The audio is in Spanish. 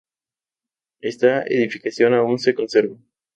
Esta edificación aún se conserva.